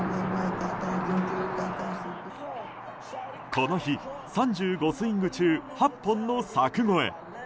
この日、３５スイング中８本の柵越え。